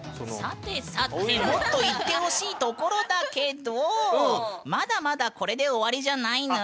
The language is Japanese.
さてさてもっといってほしいところだけどまだまだこれで終わりじゃないぬん。